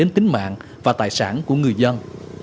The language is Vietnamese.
tính mạng và tài sản của người dân